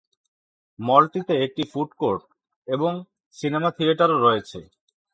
মলটিতে একটি food court এবং cinema থিয়েটারও রয়েছে।